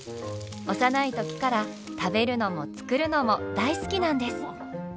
幼い時から食べるのも作るのも大好きなんです。